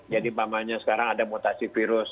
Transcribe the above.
jadi namanya sekarang ada mutasi virus